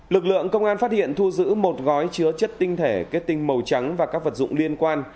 lực lượng công an phát hiện thu giữ một gói chứa chất tinh thể kết tinh màu trắng và các vật dụng liên quan